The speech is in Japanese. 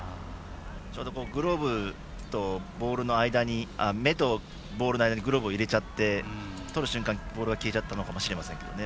ちょうどグローブとボールの間に目とボールの間にグローブを入れちゃってとる瞬間、ボールが消えちゃったのかもしれないですね。